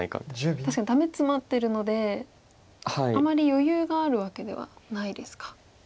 確かにダメツマってるのであまり余裕があるわけではないですか。